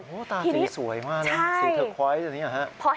โอ้ตาสีสวยมากนะสีเทอร์ไคล์ส์อย่างนี้หรือเปล่าครับ